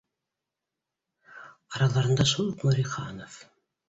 Араларында шул уҡ Нуриханов